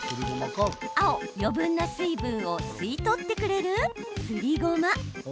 青・余分な水分を吸ってくれるすりごま。